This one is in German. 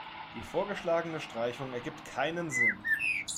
Die vorgeschlagene Streichung ergibt keinen Sinn.